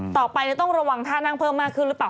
ต่อไปต้องระวังท่านั่งเพิ่มมากขึ้นหรือเปล่า